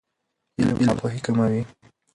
علم ناپوهي کموي.